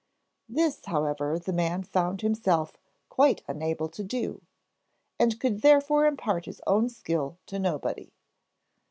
This, however, the man found himself quite unable to do, and could therefore impart his own skill to nobody.